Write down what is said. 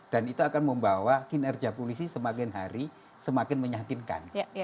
dan itu akan membawa kinerja polisi semakin hari semakin menyakinkan